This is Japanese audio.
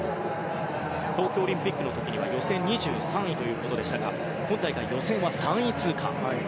東京オリンピックの時には予選２３位ということでしたが今大会、予選は３位通過。